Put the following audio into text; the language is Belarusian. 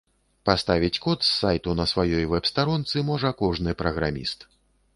Паставіць код з сайту на сваёй вэб-старонцы можа кожны праграміст.